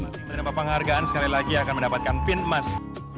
yang dapat penghargaan sekali lagi akan mendapatkan pin emas